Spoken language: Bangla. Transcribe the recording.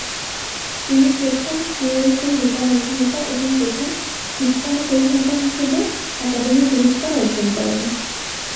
তিনি প্রথম পুয়ের্তো রিকান অভিনেতা এবং প্রথম হিস্পানিক অভিনেতা হিসেবে একাডেমি পুরস্কার অর্জন করেন।